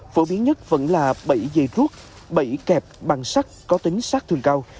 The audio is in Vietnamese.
phổ biến nhất vẫn là bẫy dây ruốt bẫy kẹp bằng sắc có tính sắc thường cao